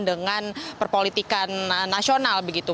dengan perpolitikan nasional begitu